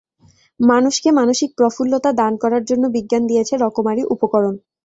মানুষকে মানসিক প্রফুল্লতা দান করার জন্য বিজ্ঞান দিয়েছে রকমারি উপকরণ।